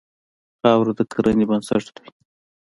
خاوره د کرنې بنسټ دی.